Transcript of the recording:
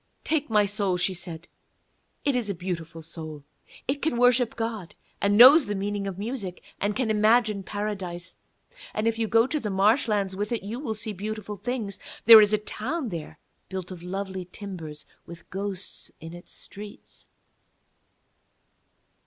'Take my soul,' she said; 'it is a beautiful soul. It can worship God, and knows the meaning of music and can imagine Paradise. And if you go to the marshlands with it you will see beautiful things; there is an old town there built of lovely timbers, with ghosts in its streets.'